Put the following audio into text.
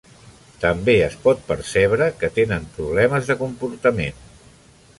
També es pot percebre que tenen problemes de comportament.